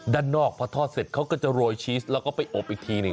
ด้านนอกพอทอดเสร็จเขาก็จะโรยชีสแล้วก็ไปอบอีกทีหนึ่ง